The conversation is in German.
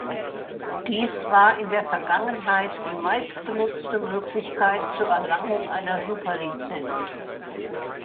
Dies war in der Vergangenheit die meistgenutzte Möglichkeit zur Erlangung einer Superlizenz.